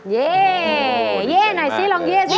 เย่เย่หน่อยสิลองเย่สิ